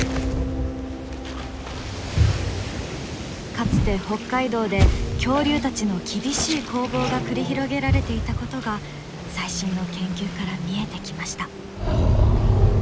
かつて北海道で恐竜たちの厳しい攻防が繰り広げられていたことが最新の研究から見えてきました。